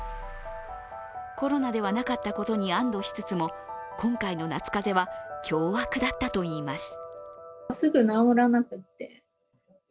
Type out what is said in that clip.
コロナではなかったことに安どしつつも、今回の夏風邪は凶悪だったといいます。